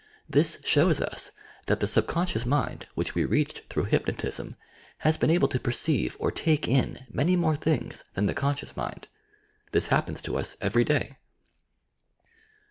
This shows us that the subconscious mind, which we reached through hypnotism, has been able to perceive or "take in" many more things than the conscious mind. This happens to us every day.